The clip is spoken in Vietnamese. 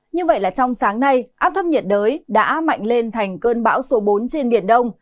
như vậy là trong sáng nay áp thấp nhiệt đới đã mạnh lên thành cơn bão số bốn trên biển đông